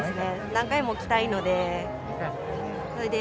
何回も来たいので。